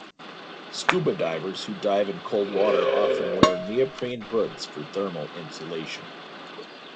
Scuba divers who dive in cold water often wear neoprene hoods for thermal insulation.